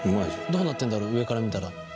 どうなってんだろう上から見たら。